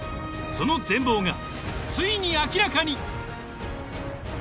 その全貌がついに明らかに！